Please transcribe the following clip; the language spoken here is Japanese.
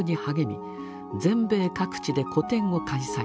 全米各地で個展を開催。